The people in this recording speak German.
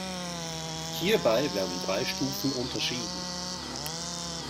Hierbei werden drei Stufen unterschieden.